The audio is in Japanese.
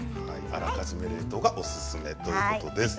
あらかじめ冷凍がおすすめということです。